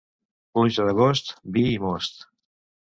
Pluja d'agost, vi i most.